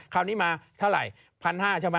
คราวนี้มาเท่าไหร่๑๕๐๐ใช่ไหม